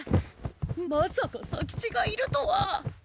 まさか左吉がいるとは。